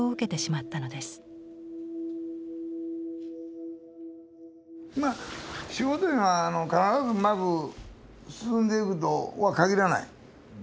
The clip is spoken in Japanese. まあ仕事いうのは必ずうまく進んでいくとは限らない。